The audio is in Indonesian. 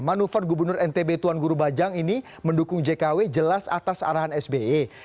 manuver gubernur ntb tuan guru bajang ini mendukung jkw jelas atas arahan sbe